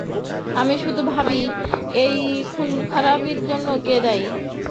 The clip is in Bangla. আমি শুধু ভাবি এই খুনখারাপির জন্য দায়ী কে?